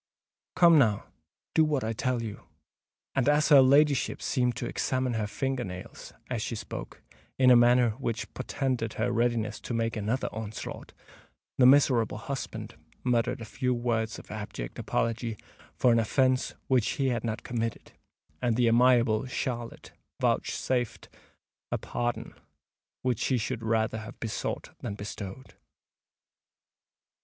Come, now—do what I tell you." And as her ladyship seemed to examine her finger nails, as she spoke, in a manner which portended her readiness to make another onslaught, the miserable husband muttered a few words of abject apology for an offence which he had not committed, and the amiable Charlotte vouchsafed a pardon which she should rather have besought than bestowed.